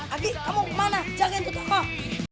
aki kamu kemana jangan tutup aku